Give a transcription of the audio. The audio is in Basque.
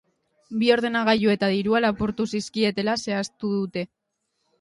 Bi ordenagailu eta dirua lapurtu zizkietela zehaztu dute.